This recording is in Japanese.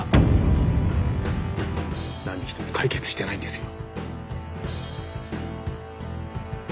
何一つ解決してないんですよ。